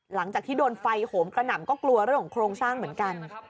หลังจากที่โดนไฟโหมกระหน่ำก็กลัวเรื่องของโครงสร้างเหมือนกัน